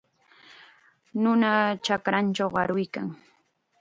Nuna chakrachaw aruykan.